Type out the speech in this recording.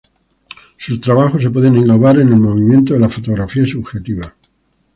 Sus trabajos se pueden englobar en el movimiento de la fotografía subjetiva.